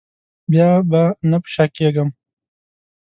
بیا به نه په شا کېږم.